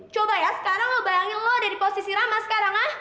coba ya sekarang lo bayangin lo ada di posisi rama sekarang ya